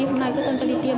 hôm nay tôi cho đi tiêm